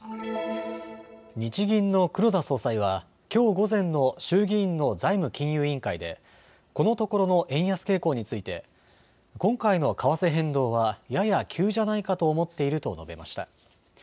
日銀の黒田総裁はきょう午前の衆議院の財務金融委員会でこのところの円安傾向について今回の為替変動はやや急じゃないかと思っていると述べました。